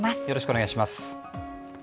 よろしくお願いします。